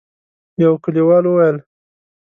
يوه کليوال وويل: